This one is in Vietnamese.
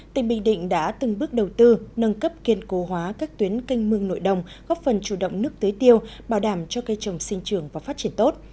tỉnh bình định đã từng bước đầu tư nâng cấp kiên cố hóa các tuyến canh mương nội đồng góp phần chủ động nước tưới tiêu bảo đảm cho cây trồng sinh trường và phát triển tốt